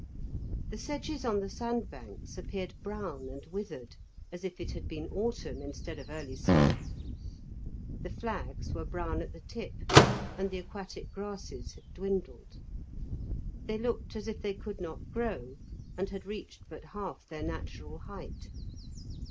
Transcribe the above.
The sedges on the sandbanks appeared brown and withered, as if it had been autumn instead of early summer. The flags were brown at the tip, and the aquatic grasses had dwindled. They looked as if they could not grow, and had reached but half their natural height.